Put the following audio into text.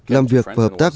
làm việc và hợp tác